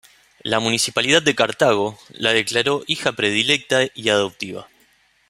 La Municipalidad de Cartago la declaró "Hija Predilecta y Adoptiva".